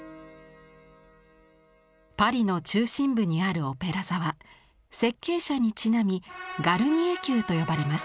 パリの中心部にあるオペラ座は設計者にちなみ「ガルニエ宮」と呼ばれます。